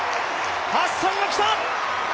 ハッサンが来た。